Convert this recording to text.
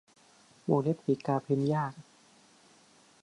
วงเล็บปีกกาพิมพ์ยาก